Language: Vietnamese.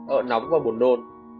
ở nóng và buồn nôn